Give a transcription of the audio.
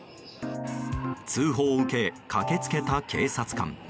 通報を受け、駆け付けた警察官。